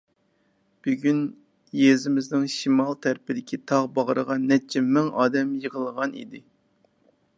بۈگۈن يېزىمىزنىڭ شىمال تەرىپىدىكى تاغ باغرىغا نەچچە مىڭ ئادەم يىغىلغان ئىدى.